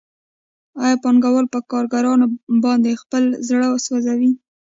آیا پانګوال په کارګرانو باندې خپل زړه سوځوي